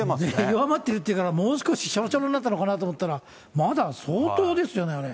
弱まってるっていうからもう少ししゃぼしゃぼになったのかなと思ったら、まだ相当ですよね、あれ。